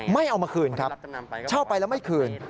เอามาคืนครับเช่าไปแล้วไม่คืน